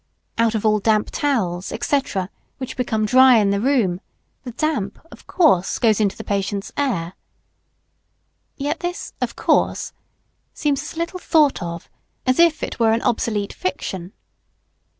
Out of all damp towels, &c., which become dry in the room, the damp, of course, goes into the patient's air. Yet this "of course" seems as little thought of, as if it were an obsolete fiction.